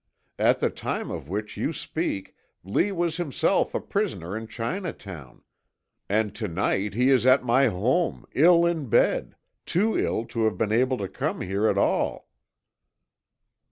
"At the time of which you speak, Lee was himself a prisoner in Chinatown. And to night he is at my home, ill in bed, too ill to have been able to come here at all."